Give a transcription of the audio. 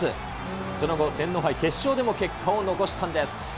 その後、天皇杯決勝でも結果を残したんです。